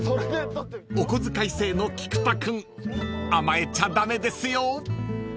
［お小遣い制の菊田君甘えちゃ駄目ですよ］